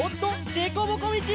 でこぼこみち！